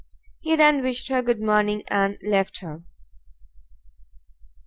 He then wished her good morning, and left her.